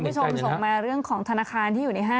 คุณผู้ชมส่งมาเรื่องของธนาคารที่อยู่ในห้าง